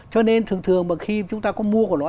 cho nên thường thường mà khi chúng ta có mua của nó